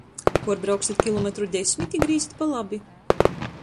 Puorbrauksit kilometru desmit i grīzit pa labi!